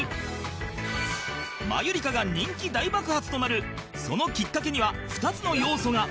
マユリカが人気大爆発となるそのきっかけには２つの要素が